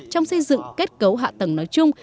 trong xây dựng kết cấu hạ tầng nói chung